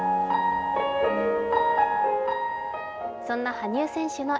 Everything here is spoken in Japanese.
そんな羽生選手